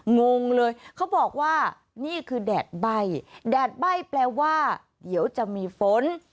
งงเลยเขาบอกว่านี่คือแดดใบ้แดดใบ้แปลว่าเดี๋ยวจะมีฝน